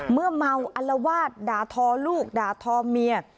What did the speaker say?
เมื่อเมาอัลวาดด่าทอลูกด่าทอเมีย